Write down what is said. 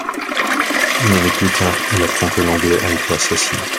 Une année plus tard, il apprend que l’Anglais a été assassiné.